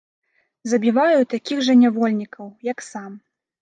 Забіваю такіх жа нявольнікаў, як сам.